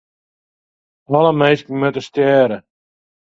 Alle minsken moatte stjerre.